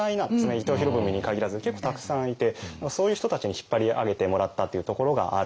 伊藤博文に限らず結構たくさんいてそういう人たちに引っ張り上げてもらったっていうところがある。